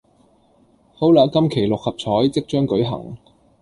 好喇今期六合彩即將舉行